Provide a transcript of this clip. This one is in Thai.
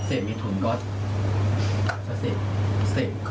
เสพคือไม่มีตรงนั้นหรอกค่ะ